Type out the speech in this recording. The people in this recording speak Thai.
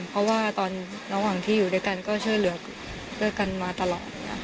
เพราะว่าตอนระหว่างที่อยู่ด้วยกันก็ช่วยเหลือด้วยกันมาตลอด